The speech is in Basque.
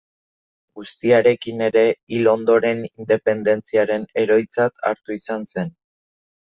Guztiarekin ere, hil ondoren, independentziaren heroitzat hartua izan zen.